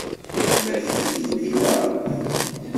Gma-k yezwej, naɣ?